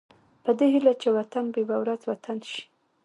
په دې هيله چې وطن به يوه ورځ وطن شي.